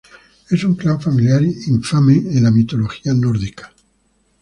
Es un clan familiar infame en la mitología nórdica.